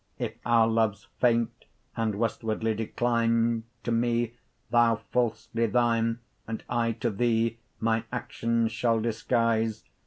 If our loves faint, and westwardly decline; To me thou, falsly, thine, 20 And I to thee mine actions shall disguise.